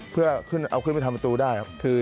เพื่อเอาขึ้นไปทำประตูได้ครับ